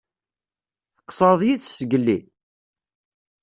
Tqeṣṣreḍ yid-s zgelli?